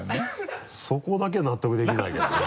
そこだけは納得できないけどね。